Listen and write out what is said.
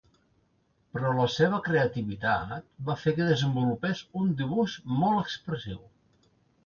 Però la seva creativitat va fer que desenvolupés un dibuix molt expressiu.